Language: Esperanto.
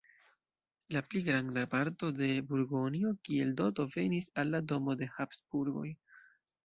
La pli granda parto de Burgonjo kiel doto venis al la domo de Habsburgoj.